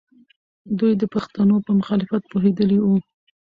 دوی د پښتنو په مخالفت پوهېدلې وو.